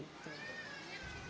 rusun ini juga berusur usur